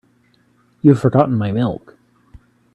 You've forgotten my milk.